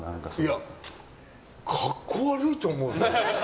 いや、格好悪いと思うぞ。